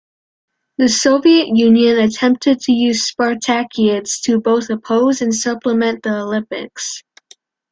The Soviet Union attempted to use Spartakiads to both oppose and supplement the Olympics.